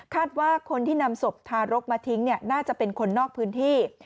ว่าคนที่นำศพทารกมาทิ้งน่าจะเป็นคนนอกพื้นที่